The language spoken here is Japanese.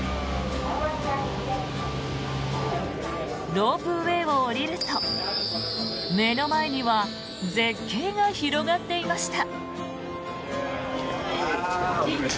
ロープウェーを降りると目の前には絶景が広がっていました。